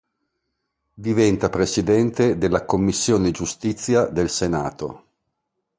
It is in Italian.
Diventa presidente della Commissione Giustizia del Senato.